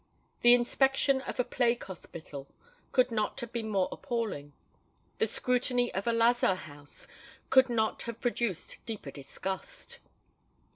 The inspection of a plague hospital could not have been more appalling: the scrutiny of a lazar house could not have produced deeper disgust.